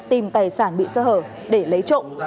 tìm tài sản bị xa hở để lấy trộm